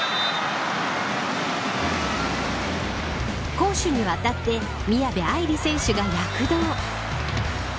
攻守にわたって宮部藍梨選手が躍動。